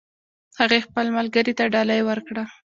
هغې خپل ملګري ته ډالۍ ورکړه